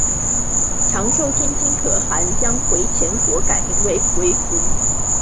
长寿天亲可汗将回纥国名改为回鹘。